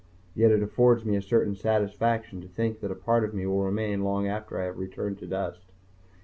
Yet it affords me a certain satisfaction to think that a part of me will remain long after I have returned to dust.